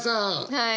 はい。